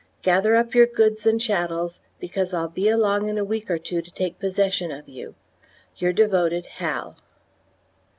Gather up your goods and chattels, because I'll be along in a week or two to take possession of you. Yr devoted Hal.